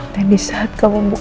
dan disaat kamu buka mata kamu